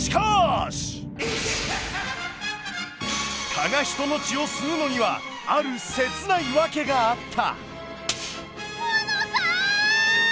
蚊が人の血を吸うのにはあるせつないワケがあった。